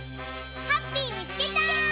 ハッピーみつけた！